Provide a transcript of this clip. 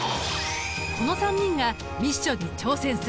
この３人がミッションに挑戦する。